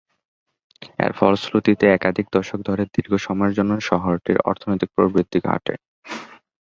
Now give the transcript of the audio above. এর ফলশ্রুতিতে একাধিক দশক ধরে দীর্ঘ সময়ের জন্য শহরটির অর্থনৈতিক প্রবৃদ্ধি ঘটে।